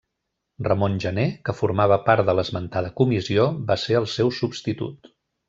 Ramon Gener, que formava part de l'esmentada comissió, va ser el seu substitut.